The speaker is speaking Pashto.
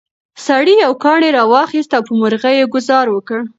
سړي یو کاڼی راواخیست او په مرغۍ یې ګوزار وکړ.